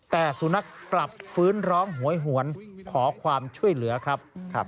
แต่สุนัขกลับฟื้นร้องหวยหวนขอความช่วยเหลือครับ